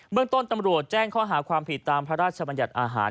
เมืองต้นตำรวจแจ้งข้อหาความผิดตามพระราชบัญญัติอาหาร